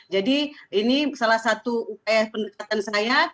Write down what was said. jadi ini salah satu upaya pendekatan saya